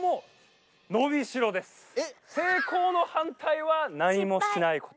成功の反対は何もしないこと。